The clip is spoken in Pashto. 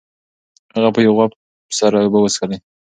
هغه په یو غوپ سره اوبه وڅښلې.